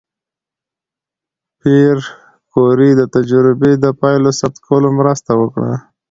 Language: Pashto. پېیر کوري د تجربې د پایلو ثبت کولو مرسته وکړه.